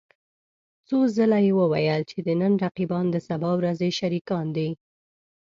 څو ځله يې وويل چې د نن رقيبان د سبا ورځې شريکان دي.